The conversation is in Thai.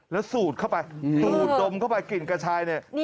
แล้วสูดเข้าไปสูดดมเข้าไปกลิ่นกระชายเนี่ย